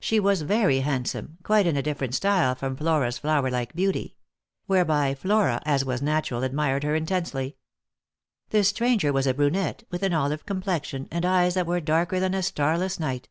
She was very handsome, quite in a different style from Flora's flower like beauty ; whereby Flora, as was natural, admired her intensely. This stranger was a brunette, with an olive complexion, and eyes that were darker than a starless night.